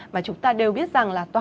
mà chúng ta đều biết rằng là toàn bộ